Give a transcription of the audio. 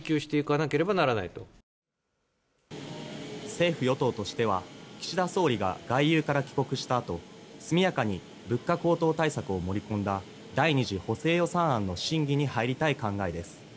政府・与党としては岸田総理が外遊から帰国したあと速やかに物価高騰対策を盛り込んだ第２次補正予算案の審議に入りたい考えです。